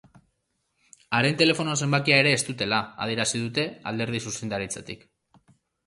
Haren telefono zenbakia ere ez dutela adierazi dute alderdiko zuzendaritzatik.